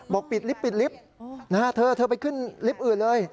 บอกปิดลิฟต์นะฮะเธอไปขึ้นลิฟต์อื่นเลย